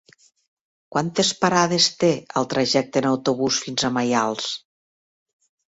Quantes parades té el trajecte en autobús fins a Maials?